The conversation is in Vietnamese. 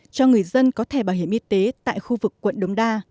cho người dân có thể bảo hiểm y tế tại khu vực quận đống đa